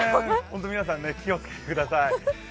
ホント、皆さん気をつけてください。